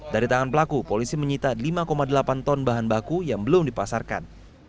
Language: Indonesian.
dari tangan pelaku polisi menyita lima delapan ton bahan baku yang belum dipasarkan